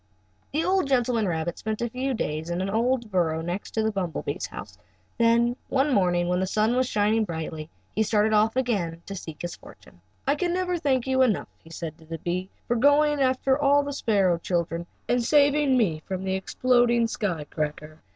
The old gentleman rabbit spent a few days in an old burrow next to the bumble bee's house, and then one morning, when the sun was shining brightly, he started off again to seek his fortune. "I never can thank you enough," he said to the bee, "for going after the sparrow children and saving me from the exploding sky cracker.